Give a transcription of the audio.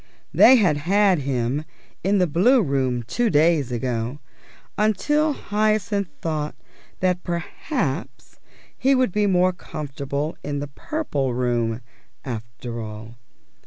They had had him in the Blue Room two days ago, until Hyacinth thought that perhaps he would be more comfortable in the Purple Room, after all.